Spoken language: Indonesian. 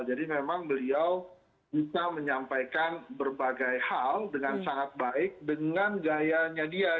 jadi memang beliau bisa menyampaikan berbagai hal dengan sangat baik dengan gayanya dia